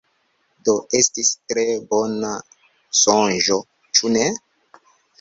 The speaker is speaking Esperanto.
Do estis tre bona sonĝo, ĉu ne?